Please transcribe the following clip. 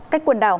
cách quần đảo